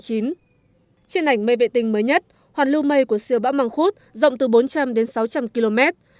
trên ảnh mây vệ tinh mới nhất hoàn lưu mây của siêu bão măng khuất rộng từ bốn trăm linh đến sáu trăm linh km